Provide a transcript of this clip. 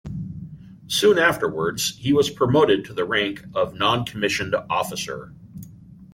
Soon afterwards he was promoted to the rank of non-commissioned officer.